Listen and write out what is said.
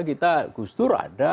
kita gustur ada